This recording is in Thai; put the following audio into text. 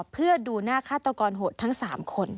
เพื่อดูหน้าฆาตกรโหดทั้ง๓คน